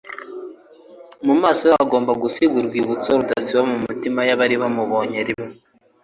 Mu maso he hagombaga gusiga urwibutso rudasibama mu mitima y'abari bamubonye inshuro imwe.